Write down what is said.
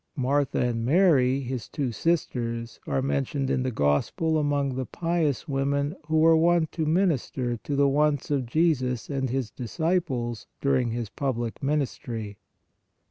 Martha and Mary, his two sisters, are mentioned in the Gospel among the pious women who were wont to minister to the wants of Jesus and His disciples during His public ministry.